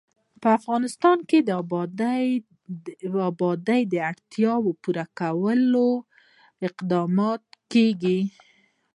په افغانستان کې د بادامو د اړتیاوو پوره کولو اقدامات کېږي.